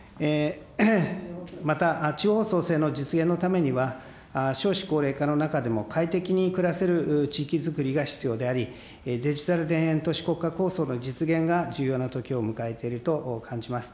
また、地方創生の実現のためには、少子高齢化の中でも快適に暮らせる地域づくりが必要であり、デジタル田園都市国家構想の実現が重要なときを迎えていると感じます。